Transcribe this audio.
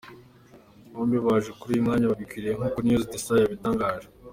Bombi baje kuri uyu mwanya babikwiriye nkuko news de star yabitangaje.